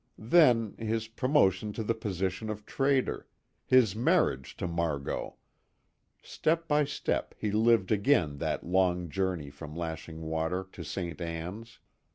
Then his promotion to the position of trader, his marriage to Margot step by step he lived again that long journey from Lashing Water to Ste. Anne's.